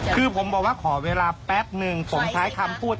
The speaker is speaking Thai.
คำว่าหน้าด้านน่ะหรอ